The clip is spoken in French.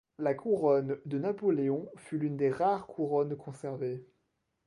La couronne de Napoléon fut l'une des rares couronnes conservées.